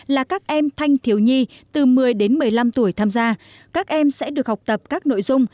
là các em thanh thiếu nhi từ một mươi đến một mươi năm tuổi tham gia các em sẽ được học tập các nội dung